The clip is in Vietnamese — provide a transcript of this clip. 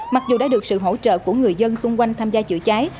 mặc dù đã được sự hỗ trợ của người dân xung quanh tham gia chữa cháy